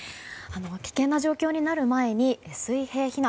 危険な状況になる前に水平避難。